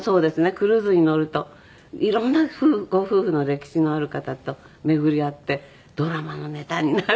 クルーズに乗ると色んなご夫婦の歴史のある方と巡り合ってドラマのネタになる。